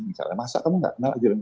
maksudnya masa kamu tidak kenal hakim